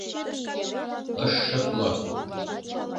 Ыш шотло.